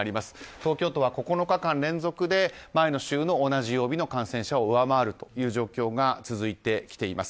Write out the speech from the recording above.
東京都は９日間連続で前の週の同じ曜日の感染者を上回る状況が続いてきています。